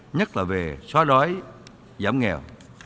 nhất là về xóa đói giảm nghèo